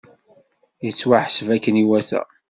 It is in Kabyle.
Yettwaḥseb akken iwata!